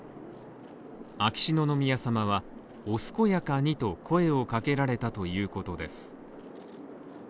秋篠宮さまは、お健やかにと声をかけられたということです。